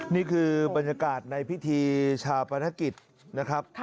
นี่คือบรรยากาศในพิธีชาปนกิจนะครับ